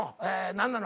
何なの？